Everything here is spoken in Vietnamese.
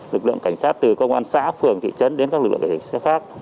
lực lượng cảnh sát từ công an xã phường thị trấn đến các lực lượng cảnh sát khác